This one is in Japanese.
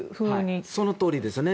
そのとおりですね。